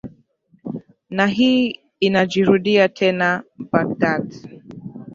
ha hii inajirudia tena baghdad